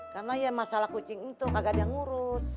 karena ya masalah kucing itu kagak ada yang ngurus